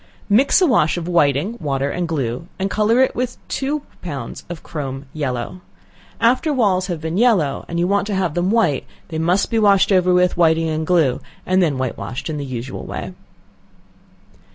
Mix a wash of whiting, water and glue, and color it with two pounds of chrome yellow. After walls have been yellow, and you want to have them white, they must be washed over with whiting and glue, and then white washed in the usual way.